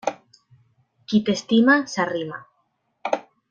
Qui t'estima s'arrima.